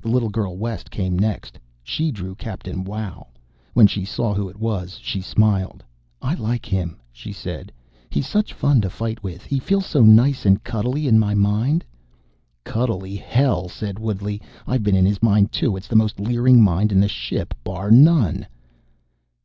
The little girl West came next. She drew Captain Wow. When she saw who it was, she smiled. "I like him," she said. "He's such fun to fight with. He feels so nice and cuddly in my mind." "Cuddly, hell," said Woodley. "I've been in his mind, too. It's the most leering mind in this ship, bar none."